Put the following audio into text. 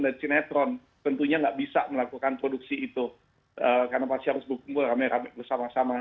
dan sinetron tentunya enggak bisa melakukan produksi itu karena pasti harus berkembang sama sama